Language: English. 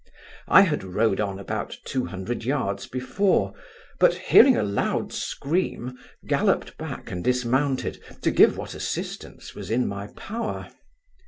I had rode on about two hundred yards before; but, hearing a loud scream, galloped back and dismounted, to give what assistance was in my power.